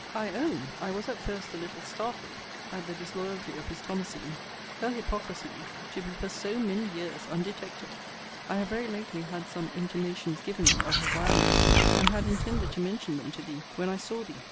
I own I was at first a little startled at the disloyalty of his Thomasine. Her hypocrisy to be for so many years undetected! I have very lately had some intimations given me of her vileness; and had intended to mention them to thee when I saw thee.